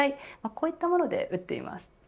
こういったもので売っています。